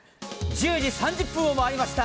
１０時３０分を回りました。